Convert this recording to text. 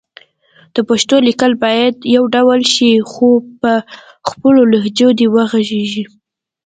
د پښتو لیکل باید يو ډول شي خو په خپلو لهجو دې غږېږي